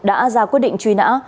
đã ra quyết định truy nã